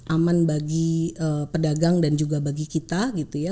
aman bagi pedagang dan juga bagi kita gitu ya